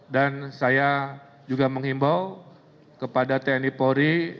dan saya juga menghimbau kepada tni polri